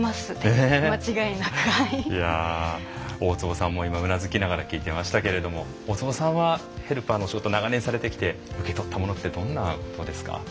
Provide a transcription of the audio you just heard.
大坪さんもうなずきながら聞いてましたけれども大坪さんはヘルパーのお仕事長年されてきて受け取ってきたものってどんなものですか？